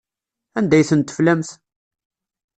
Anda ay ten-teflamt?